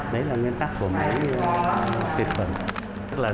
đấy là nguyên tắc của máy tiệt khuẩn